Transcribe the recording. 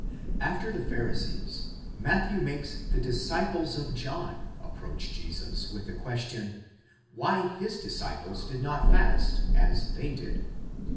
After the Pharisees, Matthew makes the disciples of John approach Jesus with the question, why his disciples did not fast, as they did (v.